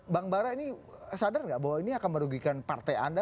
bang bara ini sadar nggak bahwa ini akan merugikan partai anda